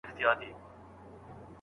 بې وسلې وو وارخطا په زړه اوتر وو